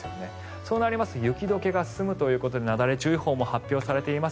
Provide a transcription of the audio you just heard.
そうなりますと雪解けが進むということでなだれ注意報が発表されています。